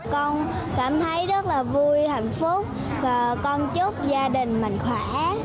con cảm thấy rất là vui hạnh phúc và con chúc gia đình mình khỏe